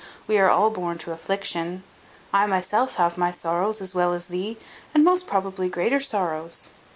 We are all born to affliction. I myself have my sorrows as well as thee, and most probably greater sorrows.